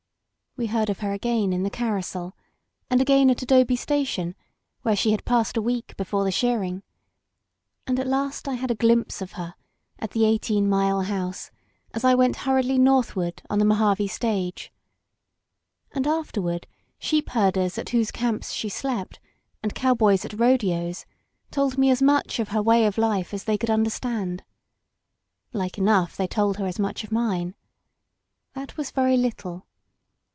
We heard of her again in the Carrisal, and again at Adobe Sta tion, where she had passed a week before the shearing, and at last I had a glimpse of her at the Eighteen Mile House as I went hurriedly northward on the Mojave stage; and afterward sheepherders at whose camps she slept, and cowboys at rodeos, told me as much of her way of life as they could understand. Like enough they told her as much of mine. That was very ^ 195 LOST BORDERS little.